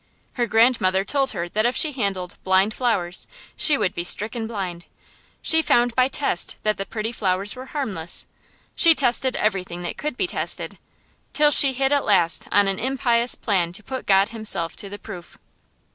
Her grandmother told her that if she handled "blind flowers" she would be stricken blind. She found by test that the pretty flowers were harmless. She tested everything that could be tested, till she hit at last on an impious plan to put God Himself to the proof.